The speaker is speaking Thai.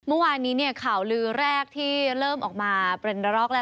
เมื่อวานนี้เนี่ยข่าวลือแรกที่เริ่มออกมาเป็นระลอกแล้ว